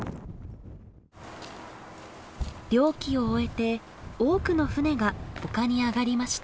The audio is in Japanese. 漁期を終えて多くの船がおかにあがりました。